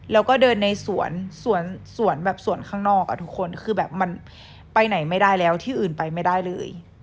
แล้วก็เดินในสวนสวนแบบสวนข้างนอกอ่ะทุกคนคือแบบมันไปไหนไม่ได้แล้วที่อื่นไปไม่ได้เลย